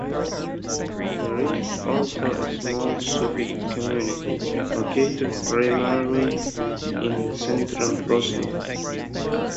There is also a small Sufi community, located primarily in Central Bosnia.